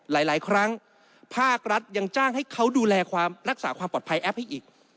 หลายครั้งภาครัฐยังจ้างให้เขาดูแลความรักษาความปลอดภัยแอปให้อีก